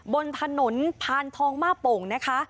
บนถนนพานทองมาโป่งนะคะ